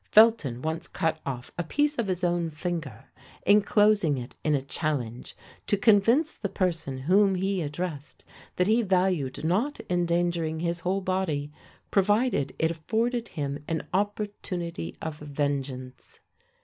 Felton once cut off a piece of his own finger, inclosing it in a challenge, to convince the person whom he addressed that he valued not endangering his whole body, provided it afforded him an opportunity of vengeance.